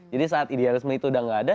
jadi saat idealisme itu udah nggak ada